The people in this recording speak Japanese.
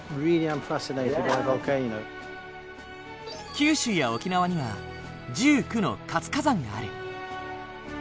九州や沖縄には１９の活火山がある。